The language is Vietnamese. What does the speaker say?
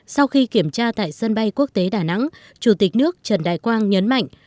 sau khi kiểm tra tại sân bay quốc tế đà nẵng chủ tịch nước trần đại quang nhấn mạnh